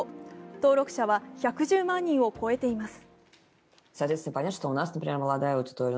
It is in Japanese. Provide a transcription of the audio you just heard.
登録者は１１０万人を超えています。